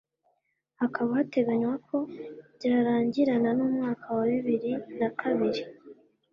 hakaba hateganywa ko byarangirana n'umwaka wa bibiri na kabiri